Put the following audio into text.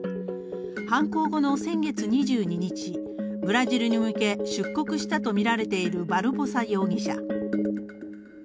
犯行後の先月２２日、ブラジルに向け出国したとみられているバルボサ容疑者。